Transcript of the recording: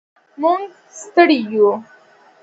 موږ ستړي و.